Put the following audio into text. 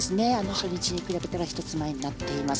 初日に比べたら１つ前になっています。